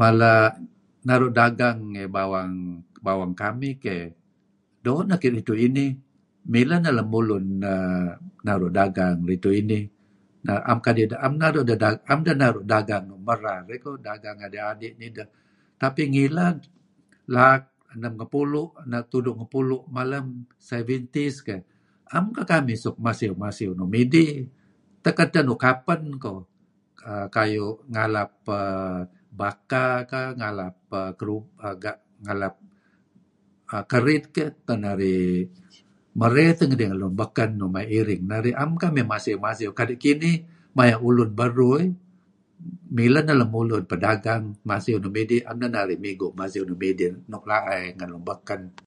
Mala... naru' dagang ngih bawang, bawang kamih keyh. Doo' neh ridtu' inih. Mileh neh lemulun err... naru' dagang ridtu' inih kadi' 'em deh naru' dagang nuk merar, dagang nuk adi'-adi' tideh. Tapi ngilad laak enem ngepulu', tudu' ngepulu' malem, seventies keyh, 'em kekamih suk masiw-masiw nuk midih. Tak edteh nuk apen ko', kayu ' ngalap err.. baka kah, naglap err...kerub..., naglap kerid keyh, tu'en narih merey teh idih ngen lemulun nuk ngih ring narih. 'Em kamih masiw-masiw nuk midih, Kadi' kinih, maya' ulun beruh mileh neh lemulun pedagang masiw nuk la'eh ngen lun beken. Maya' ulun beruh iih, mileh neh Lemulun masiw-masiw nuk midih.